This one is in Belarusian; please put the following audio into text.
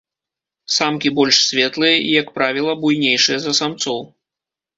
Самкі больш светлыя і, як правіла, буйнейшыя за самцоў.